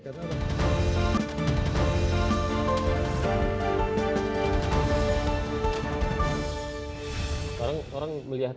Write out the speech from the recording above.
karena waktu muktamar bandung itu yang di jakarta